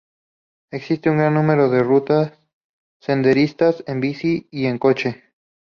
Existe un gran número de rutas senderistas, en bici y en coche.